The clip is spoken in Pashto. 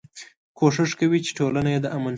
کوشش کوي چې ټولنه يې د امن شي.